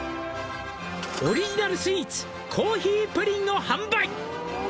「オリジナルスイーツコーヒープリンを販売」